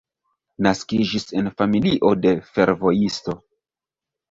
Naskiĝis en familio de fervojisto.